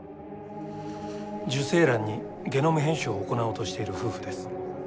受精卵にゲノム編集を行おうとしている夫婦です。